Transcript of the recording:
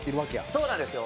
そうなんですよ。